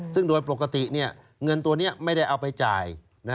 ซึ่งโดยปกติเงินตัวนี้ไม่ได้เอาไปจ่าย